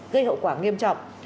gây hậu quả nghiêm trọng